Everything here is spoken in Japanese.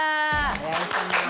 お願いします。